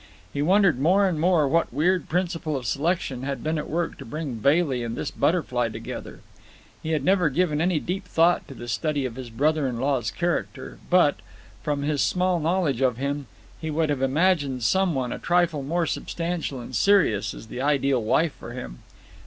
He wondered more and more what weird principle of selection had been at work to bring Bailey and this butterfly together. He had never given any deep thought to the study of his brother in law's character; but, from his small knowledge of him, he would have imagined some one a trifle more substantial and serious as the ideal wife for him.